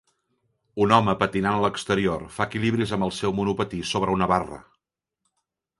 Un home patinant a l'exterior fa equilibris amb el seu monopatí sobre una barra.